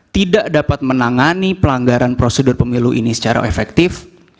tidak dapat menangani pelanggaran prosedur pemilu ini secara efektif